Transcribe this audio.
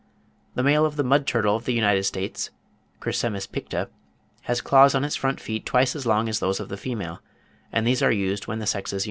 The male of the mud turtle of the United States (Chrysemys picta) has claws on its front feet twice as long as those of the female; and these are used when the sexes unite.